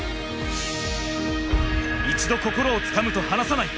一度心をつかむと離さない